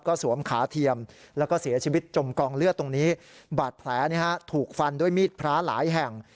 สวมขาเทียมแล้วก็เสียชีวิตจมกองเลือดตรงนี้บาดแผลถูกฟันด้วยมีดพระหลายแห่ง